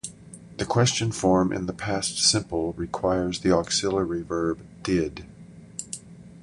The question form in the past simple requires the auxiliary verb "did".